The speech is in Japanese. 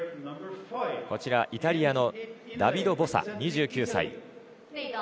イタリアのダビド・ボサ、２９歳。